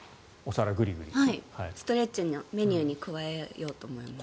ストレッチのメニューに加えようと思います。